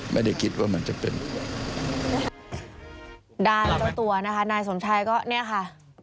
นายสนทรายก็เนี่ยรู้ไหมคะ